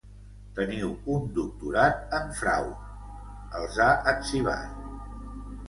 Teniu un doctorat en frau!, els ha etzibat.